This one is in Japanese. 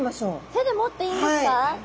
手で持っていいんですか？